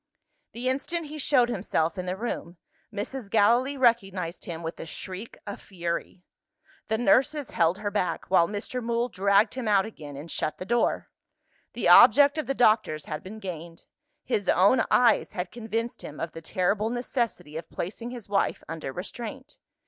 The instant he showed himself in the room, Mrs. Gallilee recognised him with a shriek of fury. The nurses held her back while Mr. Mool dragged him out again, and shut the door. The object of the doctors had been gained. His own eyes had convinced him of the terrible necessity of placing his wife under restraint.